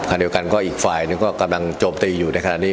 ขณะเดียวกันก็อีกฝ่ายหนึ่งก็กำลังโจมตีอยู่ในขณะนี้